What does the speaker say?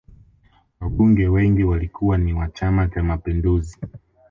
wabunge wengi walikuwa ni wa chama cha mapinduzi